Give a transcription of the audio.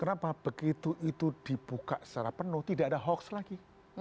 kenapa begitu itu dibuka secara penuh tidak ada hoax lagi